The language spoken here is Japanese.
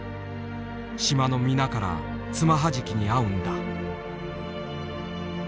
島の皆からつまはじきにあうんだ」。